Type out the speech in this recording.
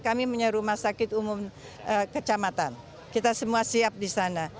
kami punya rumah sakit umum kecamatan kita semua siap di sana